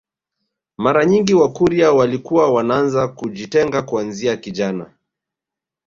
Mara nyingi wakurya walikuwa wanaanza kujitenga kuanzia kijana